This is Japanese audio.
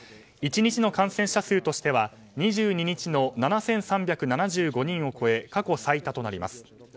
１日の感染者数としては２２日の７３７５人を超え過去最多となります。